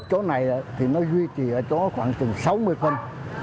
chỗ này thì nó duy trì ở chỗ khoảng sáu mươi phần